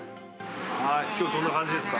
きょうはどんな感じですか？